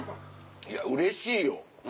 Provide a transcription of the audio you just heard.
いやうれしいよ。